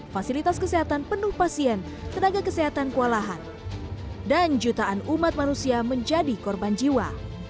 fasilitas kesehatan penuh pasien tenaga kesehatan kualahan dan jutaan umat manusia menjadi korban jiwa